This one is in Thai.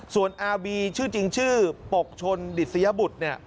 ส่วนอาร์บีชื่อจริงชื่อปกชนดิสยบุตรเนี่ย